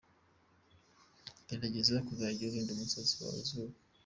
Gerageza kuzajya urinda umusatsi wawe izuba.